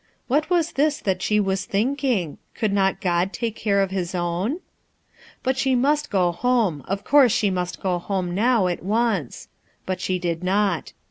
What was this that she was thinking 1 Could not God take e&re of his own? 318 RUTH ERSKINE'S SON But she must go home, of course she must go home now, at once. But she did not.